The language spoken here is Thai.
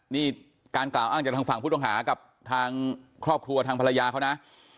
นี่การกล่าวอ้างจากทางฝั่งผู้ต้องหากับทางครอบครัวทางภรรยาเขานะ